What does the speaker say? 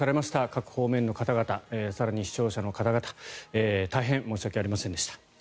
各方面の方々更に視聴者の方々大変申し訳ありませんでした。